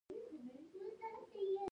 غول د بدن د انرژۍ پایله ده.